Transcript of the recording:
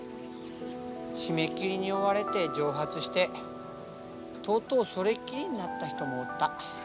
締め切りに追われて蒸発してとうとうそれっきりになった人もおった。